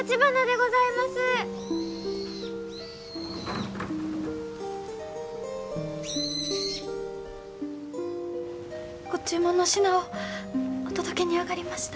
ご注文の品をお届けにあがりました。